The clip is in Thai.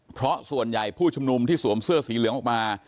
เพราะส่วนใหญ่ผู้ชุมนุมที่สวมเสื้อสีเหลืองออกมา